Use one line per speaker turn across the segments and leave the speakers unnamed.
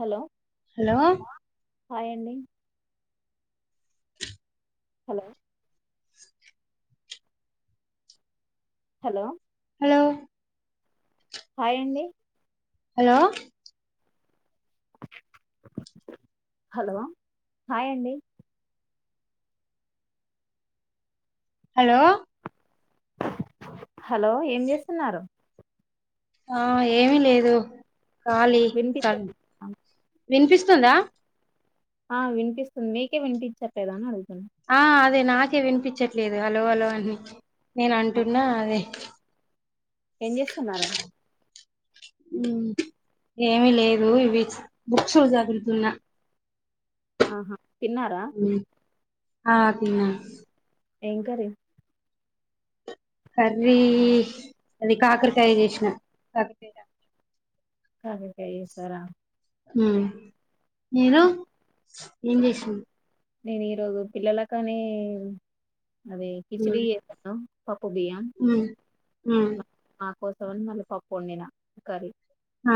Hello
hello
hi అండి hello hello
hello
హాయండి
hello
hello hi అండి
హలో
హలో ఏం జేస్తున్నారు
ఆ ఏమి లేదు ఖాళీ
వినిపించ
సన్ వినిపిస్తుందా
ఆ వినిపిస్తుంది మీకే వినిపించట్లేదా అని అడుగుతు
ఆ అదే నాకే వినిపించట్లేదు హలో అలో అని నేను
ఆ,
అంటున్నా అదే
ఏం జేస్తన్నారు
ఉ ఏమి లేదు ఇవి బుక్షులు చదురుతున్నా
ఆహా తిన్నారా
ఆ తిన్నా
ఏం కర్రీ
కర్రీ అది కాకరకాయ జేషిన
కాకరకయ్ ఎస్తర
ఉమ్ మీరు ఏం జెసావ్
నేను ఈరోజు పిల్లలకానీ అది
ఉమ్
కిచిడీ జేసాను పొడియా
ఆ
నా కోసమని మళ్ళీ పప్పొండిన కర్రీ
హా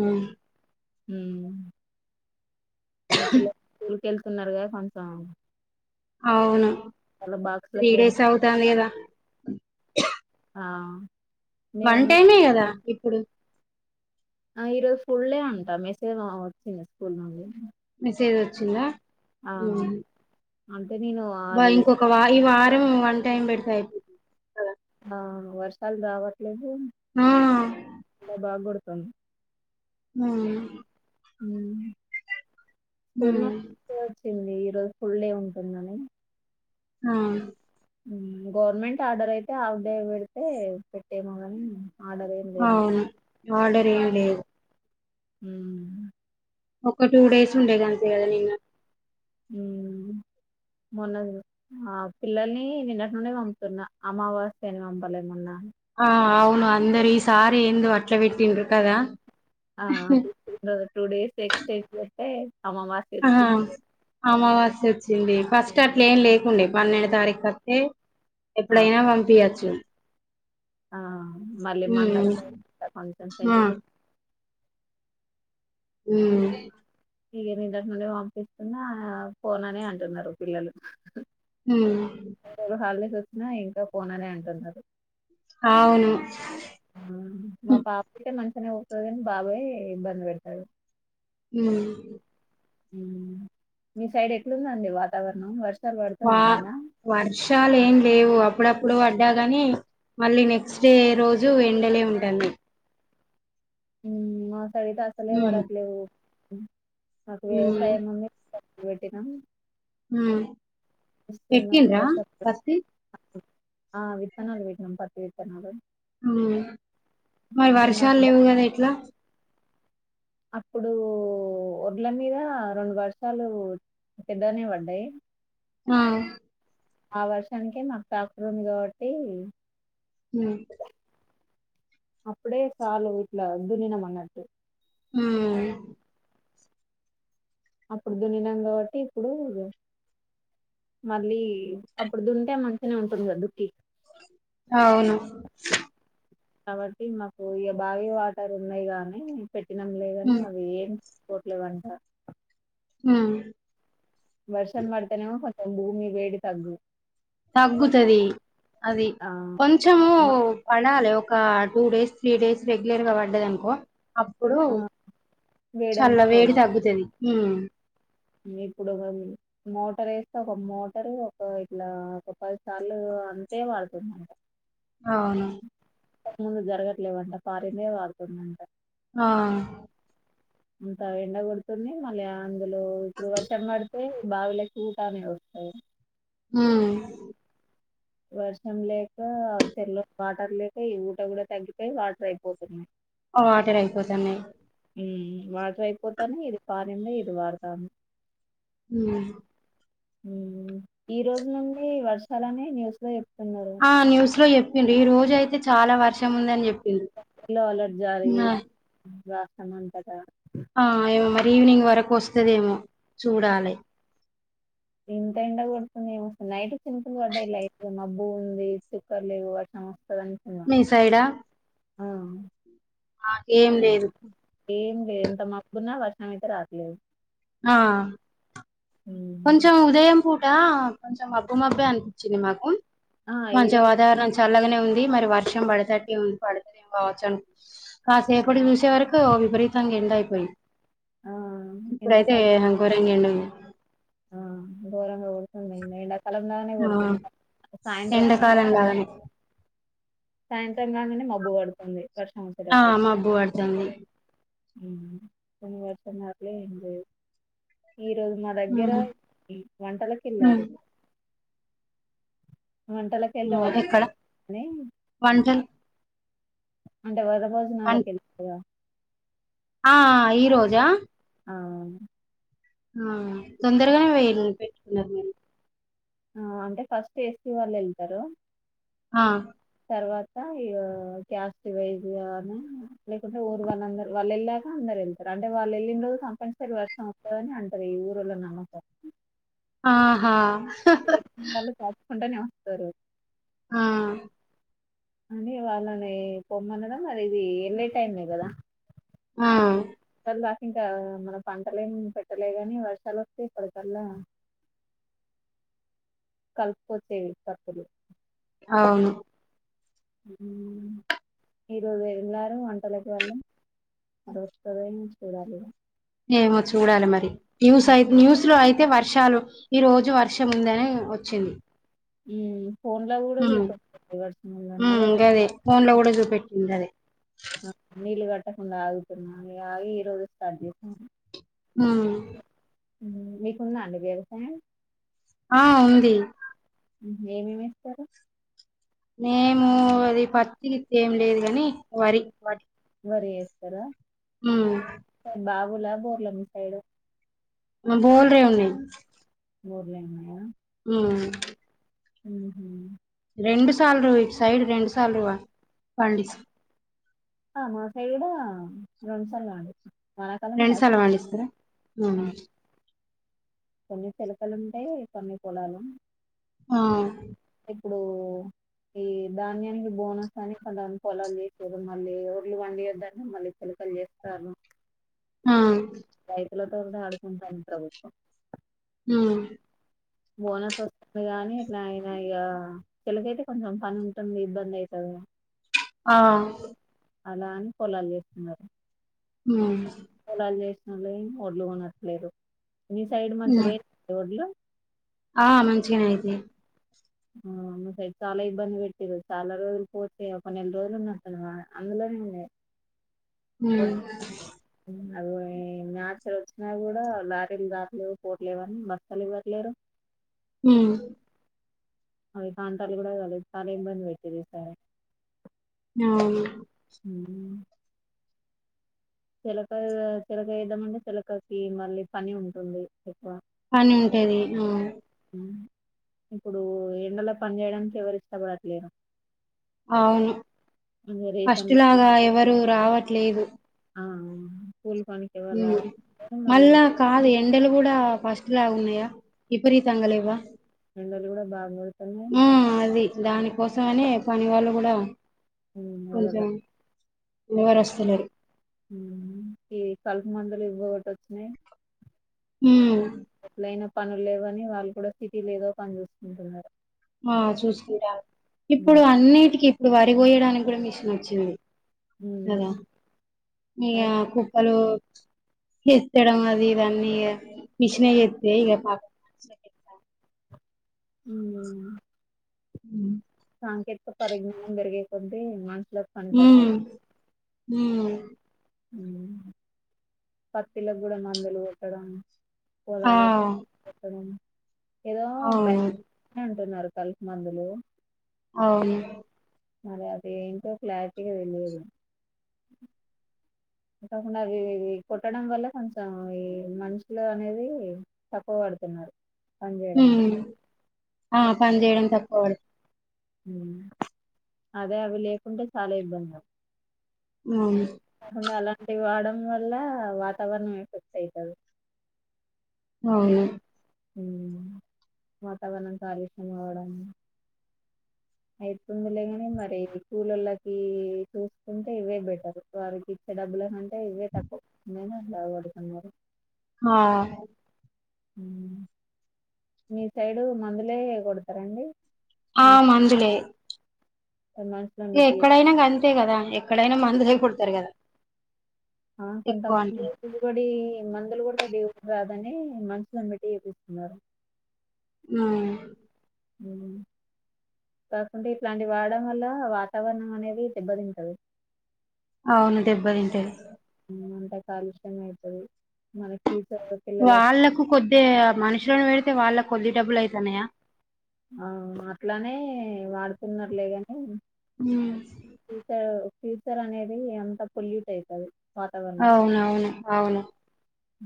ఉ
మ్ ఇంగ్ పిల్లలు స్కూల్కెళ్తున్నారుగద కొంచెం
అవును
వాళ్ళ
త్రీ
బాక్స్లకి ఏం
డేస్ అవుతాంది గదా
ఆ
వన్
నే
టైమే గదా ఇప్పుడు
ఆ ఈరోజు ఫుల్డే అంటా మెసేజ్ మమ వచ్చింది స్కూల్ నుండి
మెసేజ్ వచ్చిందా
ఆ
ఉమ్
అం
బా ఇంకొక వాయి వారము వన్ టైమ్ బెడితే అయిపోంది కదా
ఆ వర్షాలు రావట్లేదు
నా
బాగ్గొడుతున్
[unintelligible]
ఉమ్ స్కుల్
ఉమ్
నుంటి [unintelligible] వచ్చింది ఈ రోజు ఫుల్ డే ఉంటుందని
హవున్
గవర్నమెంట్ ఆర్డర్ అయితే ఆఫ్ డే పెడితే పెట్టేమో గాని
అవును ఆర్డర్ ఏం లేదు
ఊమ్
ఒక్క టూ డేస్ ఉండేదంతే గదా నిన్న
మ్ మొన్నది ఆ పిల్లల్ని నిన్నటి నుండి పంపుతున్న అమావాస్య అని పంపలే మొన్న
ఆ అవును అందరు ఈ సారి ఎందు అట్లబటిన్రు కదా
ఆ టూ డేస్ ఎక్స్టెంట్ అంటే
ఆ అమావాస్య వచ్చింది ఫస్ట్ అట్లే ఏం లేకుండే పన్నెండు తారీఖు వార్కే
ఆ
ఎప్పుడైనా పంపియచ్చు
ఆ మళ్ళీ
ఉమ్
మంగళవారం కొంచెం
ఆ
సెంటిమ
అమ్మ్
ఇగా నిన్నటినుండి పంపిస్తున్న ఫోన్ అనే అంటున్నారు పిల్లలు
ఉమ్
మూడు రోజులు హాలిడేస్ వచ్చినా ఇంకా పోననే అంటున్నారు
అవును
ప్రెసెంట్ బాగే ఇబ్బంది పెడతారు
హ్మ్
మీ సైడ్ ఎట్లుందండి వాతావరణం వర్ష
వా వర్షాలు ఏం లేవు అప్పుడపుడు ప్పుడు పడ్డాగాని మళ్ళీ నెక్స్ట్ డే రోజు ఎండలే ఉంటుంది
మా సైడు అసలే
ఉమ్
పడట్లేవు మాకు
ఉమ్
వ్యవసాయం ఉన్న ఇవటినం
హ
స్తు వర్ష
పత్తి
ఆ విత్తనాలు విట్న్నాం పతి విత్తనాలు
మరి
అంటే
వర్షాలు
మాకు
లేవు కదా ఎట్లా
అప్పుడు వడ్ల మీద రెండు బస్తాలు ఉత్తగానే పడ్డాయి
ఆ
ఆ వర్షానికే మాకు ట్రాక్టర్ ఉంది కాబట్టి
హ్మ్మ్
అప్పుడే సాలు ఇట్లా దునీనం అనట్టు
హ్మ్మ్
అప్పుడు దునినాం కాబట్టి ఇప్పుడు మళ్ళీ అప్పుడు దూంతే మంచినే ఉంటుంది కదా దుక్కి
అవును
కాబట్టి మాకు ఇక బావి వాటర్ ఉన్నాయి గానీ పెట్టినం లేగానీ
ఉమ్
అవి ఏం కొట్లేదంట
ఆ
వర్షన్ పడతానేమో కత భూమి వేడి తగ్గు
తగ్గుతుది అది
ఆ
కొంచము
మ
పడాలి ఒక two days three days regular గా పడదానుకో అప్పుడు
ఆ,
చల్ల
వేడంతా పో
వేడి తగ్గుతుంది
ఇప్పుడు మోటర్ వేస్తే ఒక మోటరు ఒక ఇట్లా ఒక పదిసార్లు అంటే పడుతుందంట
అవును
సరిగ్గ జరగట్లేవంట పాడిదే పడుతుందంట
ఆ
ఇంత ఎండ కొడుతుంది మళ్ళీ అందులో ఇప్పుడు వర్షం పడితే బావిలకి ఊటానే వస్తాయి
హమ్మ్
వర్షం లేక చెరలో వాటర్ లేక ఈ ఊట కూడా తగ్గిపోయి వాటర్ అయిపోతున్నాయి
వాటర్ అయిపోతున్నాయి
హ్మ్మ్ వాటర్ అయిపోతాను ఇది పాడిదే ఇటుపడతాను
హమ్మ్
ఈ రోజు నుండి వర్షాలని న్యూస్ లో చెప్తున్నారు
ఆ న్యూస్ లో చెప్పింది ఈ రోజ అయితే చాలా వర్షం ఉందని చెప్పి
అలర్ట్ జారీ రాస్తామంటట
ఆ ఏమో మరి ఈవినింగ్ వరకు వస్తదేమో చూడాలి
ఇంత ఎండ పడుతుంది ఏమ వస్తుంది నైట్ సింపులు పడ్డాయిల మబ్బు ఉంది చుక్కర్ లేవు వాటి
మీ సైడా ఏం
కానీ
లేదు
ఏం లే ఎంత మగగున్నా వర్షం అయితే రాసలేదు
ఆ కొంచెం ఉదయం పూట కొంచెం అబ్బుమబ్బే అనిపించింది మాకు
ఆ ఈ
మంచి
రోజు
వాతావరణం చల్లగానే ఉంది మరి వర్షం పడత పడుతుంది ఏం కావచ్చు అనుకు కాసేపటి చూసే వరకు విపరీతంగా ఎండ అయిపోయి
ఆ
ఇప్పుడైతే
ఎండాకాలం
అంకరంగా ఏండ ఉంది
ఆ గోరంగా ఉడుతున్నాయి కలంగానే
ఆ
కొడుతుంది సాయంత్రం
ఎండాకాలం లాగానే
సాయంత్రం కాగానే మబ్బు పడుతుంది వర్షం
ఆ మాబ్బు పడతుంది
కొన్ని వర్షన్నారుట్లే ఎ ఈ రోజు మా దగ్గర
ఉమ్,
వంటలకి
ఉమ్,
వెళ్ళారు వంటలా
ఆ,
కల్దవస్
ఎక్కడ వంటలు
ంట వ
వం
భోజనాలకి
ఆ ఈ రోజా ఆ
ఆ
ఆ తొందరగానే పెట్టుకున్నారు మీరు
ఆ అంటే ఫస్ట్ ఏస వాళ్ళు వెళ్తారు
ఆ
తర్వాత ఇ క్యాస్ట్ వైజ్ అని లేకుంటే ఊరు వాళ్ళందరు వాళ్ళు వెళ్ళాక అందరు వెళ్తారు అంటే వాళ్ళు వెళ్ళినోజు తప్పనిసరి వర్షం వస్తందిని అంటారు ఈ ఊరులో నమ్మకారం
ఆహా
వాళ్ళు దాచుకుంటేనే వస్తారు
ఆ
అని వాళ్ళని పొమ్మనడం మరి ఇది వెళ్ళే టైమే కదా
ఆ
దా ఇంకా మనం పంటలే ఏం పెట్టలేగానీ వర్షాలు వస్తేయి ఇప్పటికల్లా కల్పు వచ్చే తప్పులు
అవును
ఉ ఈరోజు వెళ్లారు వంటలకి వళ్ళం అరుస్తుందిని చూడాలి
ఏమో చూడాలి మరి న్యూస్ అఐ న్యూస్ లో అయి అయితే వర్షాలు ఈ రోజు వర్షం ఉందని వచ్చింది
ఇగ ఫోన్ లో కూడా చూపెడుతుంది వర్షం ఉందని
అదే ఫోన్ లో కూడా చూపెట్టింది అదే
తక ఆగుతు మ ఆగి ఇరోజ స్టార్ట్ చేసుా
ఉమ్
మీకున్నా అండి వ్యవసాయం
ఆ ఉంది
ఏమిమిస్తారు
నేము అది పత్తికి ఏమి లేదు కాని వరి వడి
వరి చేస్తారా
అ
లా బోర్లామ్ సైడ్
మ బోల్ రీడి
బఊర్లేం
అ
మ్ హూమ్
రెండు సార్లు ఇటు సైడ్ రెండు సార్లు పండిచం
ఆ మా సైడూ రెండు సార్లు పండిస్తం
రెండు సార్లు పండిస్తారా
వేస్తాం కొన్ని శలకలు ఉంటాయి కొన్ని పొలాలు
ఆ
ఇప్పుడూ ఈ ధాన్యానికి బోనస్ అని కొందరు పొలాలు చేసారు మళ్ళీ ఒడ్లు పండియొద్దని మళ్ళీ శిలుకలు [unintelligible]
ఆ
రైతుల తొ కూడా ఆడుకుంటాంది ప్రభుత్వం
మ్
బోనస్ వస్తుంది గాని ఇట్లా ఆయన ఇక చిలక అయితే కొంచెం పని ఉంటుంది ఇబ్బంది అయతుది అ
ఆ
అలా అని పొలాలు చేస్తున్నారు
మ్
పొలాలు చేసినళ్ళు ఒడ్లు కొనట్లేదు మి సైడ్ మంచిగా
ఉమ్
పోయిన ఒడ్లు
ఆ మంచిగానే అయిపొయినయ్
అమ్మ మి సైడ్ చాలా ఇబ్బంది పెట్టిర్రు చాలా రోజులు పోతే ఒ పన్నెండ్రోజులు ఉన్నట్టుంది వాన అందులో నె
మ్
మ్ రాత్రి వచ్చినా కూడా లారీలు దాట్లేవు పోట్లేవని బస్సలు ఇవ్వట్లేరు
మ్
అ కాంటాలు కూడా కాలం బంద పెట్టది సార్
అ
మ్ చిలక చిలక వేద్దామంటే చిలకకి మళ్ళీ పని ఉంటుంది ఎక్కువ
పని ఉంటాది అ
ఇప్పుడు ఎండలో పని చేయడానికి ఎవరు ఇష్టపడట్లేరు
అవును
ఇంకా రేషన్లు
ఫస్ట్లాగా ఎవరు రావట్లేదు
ఆవును
మళ్ళా కాదు ఎండలు కూడా ఫస్ట్ లా ఉన్నాయా విపరీతంగా లేవా
ఎండలు కూడా బాగు పడుతుండల
దానికోసం అని పని వాళ్ళు కూడా
మ్ మెల్లగ
కొంచెం ఎవరు వస్తులేరు
ఈ కల్పు మందులు ఇవ్వొటి వచ్చినాయి
మ్
ఎట్లైనా పనులు లేవ్వని వాళ్ళు కూడా సిటీలో ఏదో పనిచూసుకుంటున్నారు
ఆ చూసుకుంటారు ఇప్పుడు
ఉమ్,
అన్నిటికిీ ఇప్పుడు వరి కోయడానికి కూడా మిషన్ వచ్చింది ఏంవో
ఉమ్,
ఈ
అద్-
కుప్పలు ఎత్తడం అది ఇదీ అన్నీ మిషనే చేత్తే ఇహ పాప
మ్
మ్
సాంకేతిక పరిజ్ఞానం పెరిగే కొద్దీ మనుషులకు పని తక్కువ
మ్
పత్తిలకు గుడ మందులు పెట్టడం
ఆ
పొలాల కొట్టడం ఏదో
అవును
బ్యాం అంటున్నారు కలుపు మందులు
అవును
మరి అది ఏంటో క్లారిటీగా తెలియదు అకాకుండా అవి ఇవి పెట్టడం వల్ల కొంచెం ఈ మనుషులు అనేది తక్కువ వడ్ పడుతున్నారు పని చేయడము.
ఉమ్ ఆ పని చేయడం తక్కువ వడ్
ఉం అదే అవి లేకుంటే చాలా ఇబ్బంది పడ్
ఉమ్
ఇంటి వాడడం వల్ల వాతావరణం ఎఫెక్ట్ ఐతది.
అవును
ఉమ్ వాతావరణం కాలుష్యం అవడం అయితుంది లేగాని మరి కూలోల్లకు చూసుకుంటే ఇవే బెటర్ వారికి డబ్బుల కంటే ఇవే తక్కు, నేను లా పడుతున్న మరి
హా
మీ సైడు మందులే కొడతరండి?
ఆ మందులే
మనుషులను
ఇగ
పెట్టి
ఎక్కడైనా గంతే కదా ఎక్కడైనా మందులే కొడతరు కదా.
అవును
ఎక్కువ అంటే
కొంతమంది బిరిడి మందులు కొడితే బే రాదు కని మనుషులను పెట్టి చేపిస్తున్నారు.
ఆ
ఉమ్ కాకుంటే ఇట్లాంటి వాడడం వల్ల వాతావరణం అనేది దెబ్బతింటది.
అవును డెబ్బ తంటది.
అంతా కాలుష్యమయితది, మనక్
వాళ్ళలకు కొద్దె మనుషులని పెడితే వాళ్ళకు కొద్ది డబ్బులు ఐయితాన్నయా?
ఆ అట్లనే వాడుతున్నరులే గని ఫ్యూచర్ ఫ్యూచర్ అనేది ఎంత పొల్యూట్ ఐతది.
అవునవును అవును.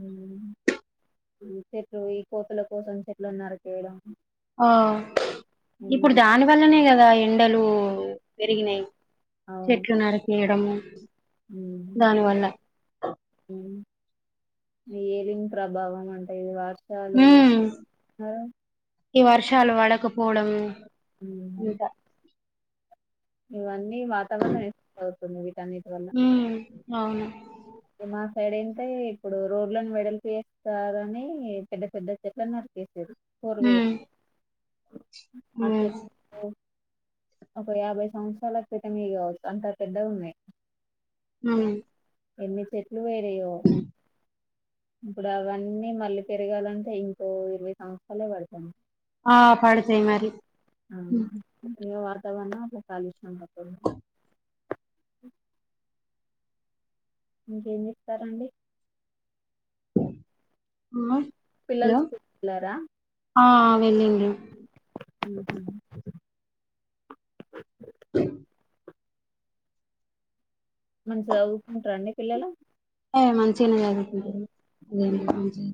ఉమ్ చెట్లు ఈ కోతుల కోసం చెట్లను నరికేయడం
ఆ ఇప్పుడు
మళ్ళీ
దాని వల్లనే కదా ఎండలు పెరిగినయ్
అవును
చెట్లు నరికేయడము
ఉమ్,
దాని వల్ల
ఉమ్. ఏలింగ్ ప్రభావం అంటే ఈ వర్షాలు
ఉమ్ ఈ వర్షాలు వడకపోవడం
ఉమ్.
అంత
ఇవన్నీ వాతావరణం ఇట్ల ఐతుంది
ఉమ్ అవును
మా సైడు ఏంటె ఇప్పుడు రోడ్లను వెడల్పు చేస్తారని పెద్ద పెద్ద చెట్లను నరుకు కేసిర్రూ
ఉమ్ ఉమ్
ఒకే ఒక యాభై సంవత్సరాలకు క్రితం చేయాలే, అంతా పెద్దవి ఉన్నయ్
ఉమ్
ఎన్ని చెెట్లు వేయినయో ఇప్పుడు అవన్నీ మళ్ళీ పెరగాలంటే ఇంకో ఇరవై సంవత్సరాలు పడతన్నాయి.
ఆ పడతయి మరి
ఆ
ఉమ్,
ఏ ఏ వాతావరణం ఇట్ల కాలుష్యం పడతయో ఇంకేం చేత్తారండి.
అమ్మా
పిల్లలు స్కూల్ కి వెళ్లారా
ఆ వెళ్ళిండు
ఆహ మంచిగా చదువు కుంటారండి పిల్లలు
మంచిగానే చదువుకుంటారు అదే
ఉ
మరి మంచినే